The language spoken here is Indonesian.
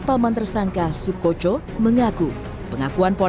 paman tersangka sukocho mengaku pengakuan ponakan